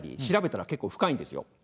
調べたら結構深いんですよ。